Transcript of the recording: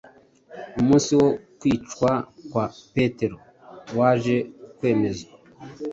Umunsi wo kwicwa kwa Petero waje kwemezwa,